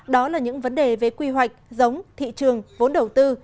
đó là những vấn đề về quy hoạch giống thị trường vốn đầu tư